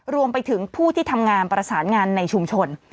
รวมไปถึงผู้ที่ทำงานประสานงานในชุมชน